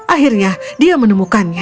akhirnya dia menemukannya